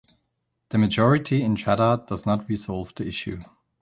The majority in "Chadha" does not resolve the issue.